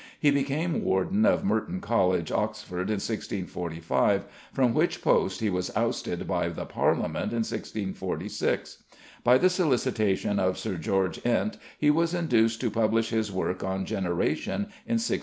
He became warden of Merton College, Oxford, in 1645, from which post he was ousted by the Parliament in 1646. By the solicitation of Sir George Ent he was induced to publish his work on Generation in 1651.